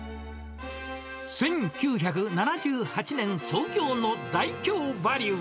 １９７８年創業のダイキョーバリュー。